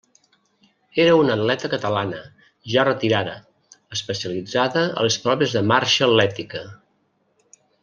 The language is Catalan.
Era una atleta catalana, ja retirada, especialitzada a les proves de marxa atlètica.